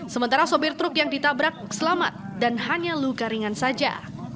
sementara sopir truk yang ditabrak selamat dan hanya luka ringan saja